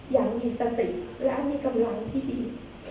อย่างมีสติและมีกำลังที่ดี